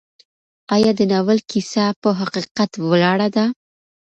ایا د ناول کیسه په حقیقت ولاړه ده؟